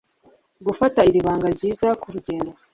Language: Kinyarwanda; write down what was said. Gufata iri banga ryiza kurugendo